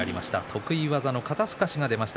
得意技の肩すかしが出ました。